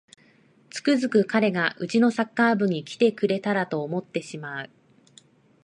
つくづく彼がうちのサッカー部に来てくれたらと思ってしまう